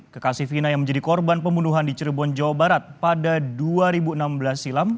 kekasih fina yang menjadi korban pembunuhan di cirebon jawa barat pada dua ribu enam belas silam